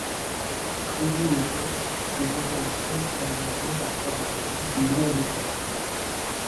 Privés de chefs, les envahisseurs se rendirent après avoir subi de lourdes pertes.